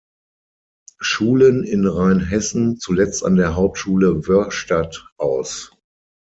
Schulen in Rheinhessen, zuletzt an der Hauptschule Wörrstadt aus.